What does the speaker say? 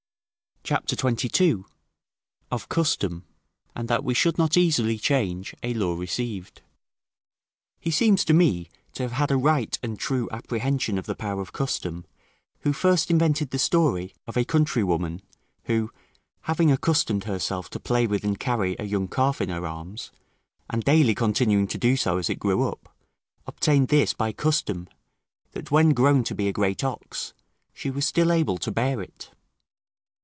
CHAPTER XXII OF CUSTOM, AND THAT WE SHOULD NOT EASILY CHANGE A LAW RECEIVED He seems to me to have had a right and true apprehension of the power of custom, who first invented the story of a country woman who, having accustomed herself to play with and carry a young calf in her arms, and daily continuing to do so as it grew up, obtained this by custom, that, when grown to be a great ox, she was still able to bear it.